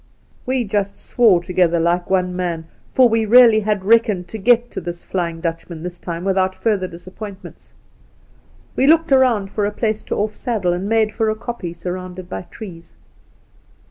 ' We just swore together and like one, man, for we really had reckoned to get to this flying Dutch man this time without further disappointments. We looked around for a place to off' saddle, and made for a koppie surrounded by trees.